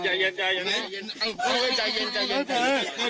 ใจเย็นใจเย็นใจเย็น